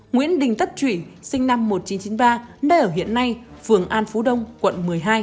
nguyễn đình tất thủy sinh năm một nghìn chín trăm chín mươi ba nơi ở hiện nay phường an phú đông quận một mươi hai